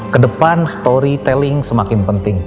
kedepan storytelling semakin penting